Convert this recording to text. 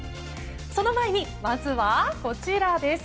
その前にまずはこちらです。